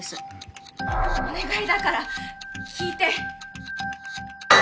お願いだから聞いて